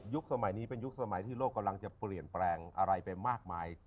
สมัยนี้เป็นยุคสมัยที่โลกกำลังจะเปลี่ยนแปลงอะไรไปมากมาย